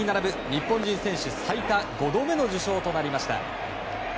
日本人選手最多５度目の受賞となりました。